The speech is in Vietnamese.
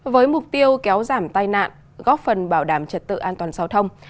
với mục tiêu kéo giảm tai nạn góp phần bảo đảm trật tự an toàn giao thông